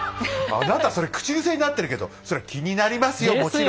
あなたそれ口癖になってるけどそれは気になりますよ